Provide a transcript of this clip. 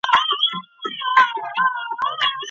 ولي هڅاند سړی د لایق کس په پرتله لوړ مقام نیسي؟